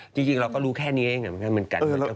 จริงเราก็รู้แค่นี้เองเหมือนกัน